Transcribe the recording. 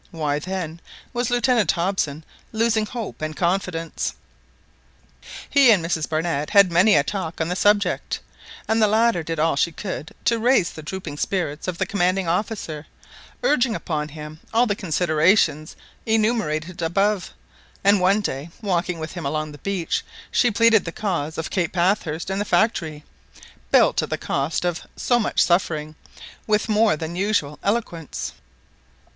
Why, then, was Lieutenant Hobson losing hope and confidence? He and Mrs Barnett had many a talk on the subject; and the latter did all she could to raise the drooping spirits of the commanding officer, urging upon him all the considerations enumerated above; and one day walking with him along the beach, she pleaded the cause of Cape Bathurst and the factory, built at the cost of so much suffering, with more than usual eloquence.